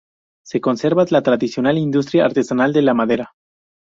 Se conserva la tradicional industria artesanal de la madera.